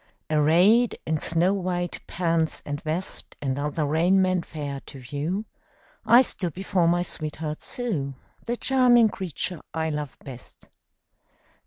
Arrayed in snow white pants and vest, And other raiment fair to view, I stood before my sweetheart Sue The charming creature I love best.